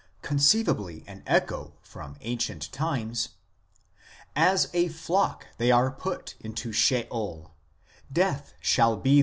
conceivably an echo from ancient times :" As a flock they are put in Sheol ; Death shall be their 1 Cp.